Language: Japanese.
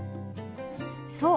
［そう。